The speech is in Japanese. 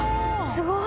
すごい！